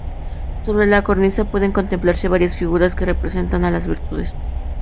Sobre la cornisa, pueden contemplarse varias figuras que representan a las virtudes.